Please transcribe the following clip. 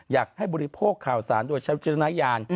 อยากให้บริโภคข่าวสารโดยใช้วิจารณญาณ